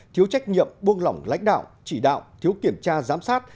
thiếu trách nhiệm buông lỏng lãnh đạo chỉ đạo thiếu kiểm tra giám sát